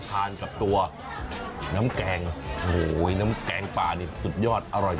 ทานกับตัวน้ำแกงโอ้โหน้ำแกงป่านี่สุดยอดอร่อย